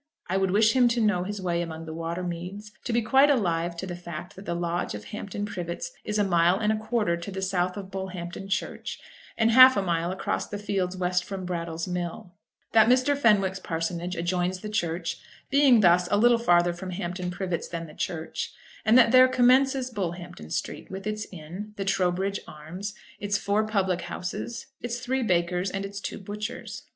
I would wish him to know his way among the water meads, to be quite alive to the fact that the lodge of Hampton Privets is a mile and a quarter to the north of Bullhampton church, and half a mile across the fields west from Brattle's mill; that Mr. Fenwick's parsonage adjoins the churchyard, being thus a little farther from Hampton Privets than the church; and that there commences Bullhampton street, with its inn, the Trowbridge Arms, its four public houses, its three bakers, and its two butchers.